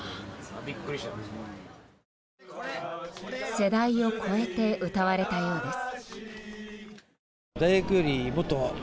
世代を超えて歌われたようです。